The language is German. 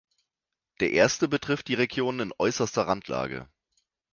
Der Erste betrifft die Regionen in äußerster Randlage.